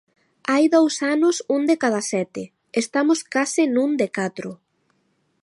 Hai dous anos un de cada sete, estamos case nun de catro.